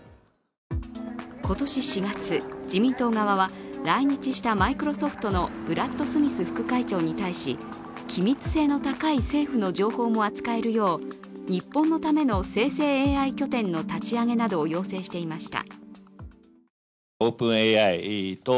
今年４月、自民党側は来日したマイクロソフトのブラッド・スミス副会長に対し機密性の高い政府の情報も扱えるよう日本のための生成ＡＩ拠点の立ち上げなどを要請していました。